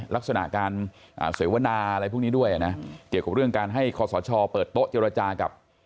ลักษณะการเสวนาอะไรพวกนี้ด้วยนะเกี่ยวกับเรื่องการให้คอสชเปิดโต๊ะเจรจากับ